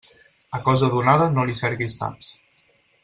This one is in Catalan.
A cosa donada no li cerquis taps.